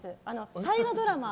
大河ドラマ